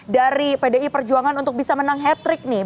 dari pdi perjuangan untuk bisa menang hat trick nih